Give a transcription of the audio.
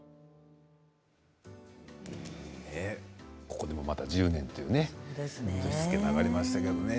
ここでもまた１０年というね月日が流れましたね。